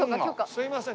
すいません。